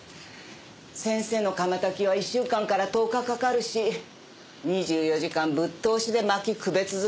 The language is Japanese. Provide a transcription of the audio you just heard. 先生の窯焚きは１週間から１０日かかるし２４時間ぶっ通しで薪くべ続けなきゃならないんだ。